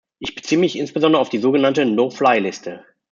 Ich beziehe mich insbesondere auf die so genannte No-fly-Liste.